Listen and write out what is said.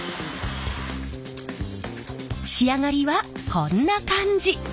仕上がりはこんな感じ。